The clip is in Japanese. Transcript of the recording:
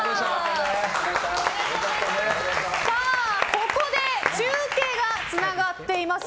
ここで中継がつながっています。